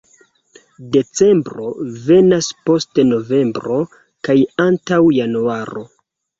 Decembro venas post novembro kaj antaŭ januaro.